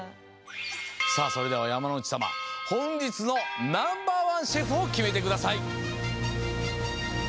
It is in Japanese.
さあそれでは山之内さまほんじつのナンバーワンシェフをきめてください。